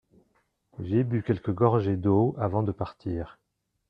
J’ai bu quelques gorgées d’eau avant de partir.